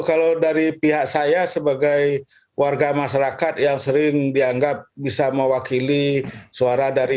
kalau dari pihak saya sebagai warga masyarakat yang sering dianggap bisa mewakili suara dari